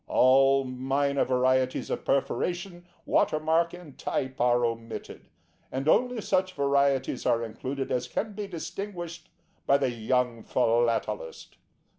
All minor varieties of perforation, watermark, and type are omitted, and only such varieties are included as can be distinguished by the young Philatelist.